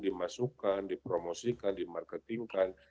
dimasukkan dipromosikan dimarketingkan